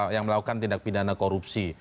yang melakukan tindak pidana korupsi